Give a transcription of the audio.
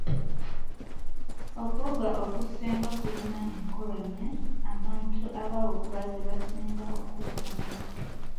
Okuwuga okusinga kulina enkola nnya abantu abawuga ze basinga okwettanira.